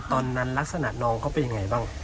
ตอนนั้นลักษณะน้องเขาเป็นยังไงบ้าง